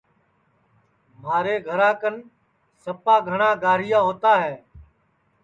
مھارے گھرا کن سپا گھٹؔا گاریا ہؤتا ہے